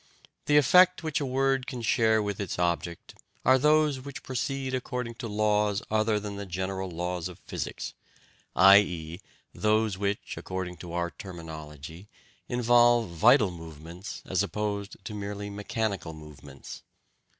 The effects which a word can share with its object are those which proceed according to laws other than the general laws of physics, i.e. those which, according to our terminology, involve vital movements as opposed to merely mechanical movements.